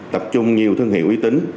tập trung nhiều thương hiệu uy tín